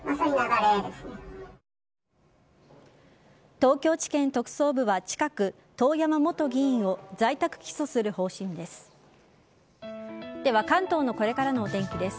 東京地検特捜部は近く遠山元議員を在宅起訴する方針です。